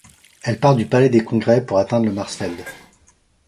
Elle part du palais des Congrès pour atteindre le Märzfeld.